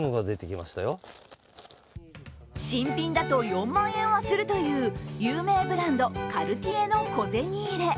新品だと４万円はするという有名ブランド、カルティエの小銭入れ。